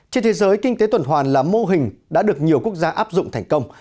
trên thế giới kinh tế tuần hoàn là mô hình đã được nhiều quốc gia áp dụng thành công